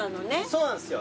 そうなんですよ。